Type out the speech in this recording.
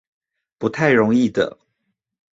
不太容易的